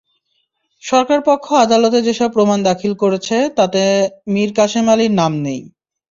সরকারপক্ষ আদালতে যেসব প্রমাণ দাখিল করেছে, তাতে মীর কাসেম আলীর নাম নেই।